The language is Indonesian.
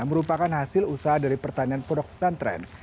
merupakan hasil usaha dari pertanian produk pesantren